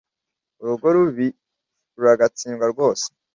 Urugo rubi ruragatsindwa rwose!